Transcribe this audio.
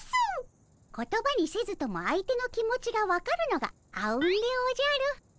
言葉にせずとも相手の気持ちが分かるのがあうんでおじゃる。